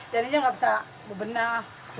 jadinya nggak bisa bebenah